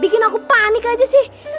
bikin aku panik aja sih